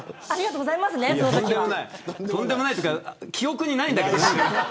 とんでもないというか記憶にないんだけどね。